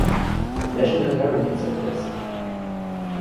National Hurricane Centers.